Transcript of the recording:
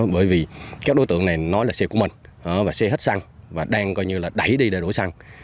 bởi vì các đối tượng này nói là xe của mình và xe hết xăng và đang coi như là đẩy đi để đổi xăng